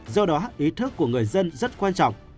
do đó ý thức của người dân rất quan trọng